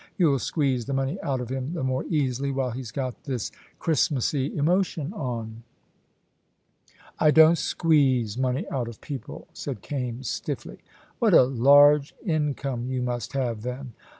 You'll squeeze the money out of him the more easily while he's got this Christmassy emotion on." "I don't squeeze money out of people," said Kaimes, stiffly. "What a large income you must have, then."